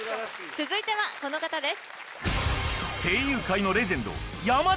続いてはこの方です。